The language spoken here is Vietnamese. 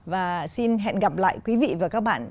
và xin hẹn gặp lại quý vị và các bạn